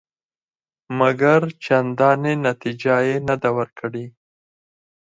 مګر چندانې نتیجه یې نه ده ورکړې.